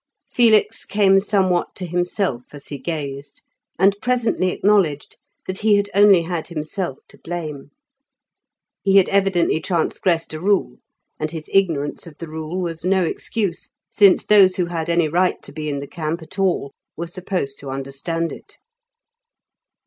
Felix came somewhat to himself as he gazed, and presently acknowledged that he had only had himself to blame. He had evidently transgressed a rule, and his ignorance of the rule was no excuse, since those who had any right to be in the camp at all were supposed to understand it.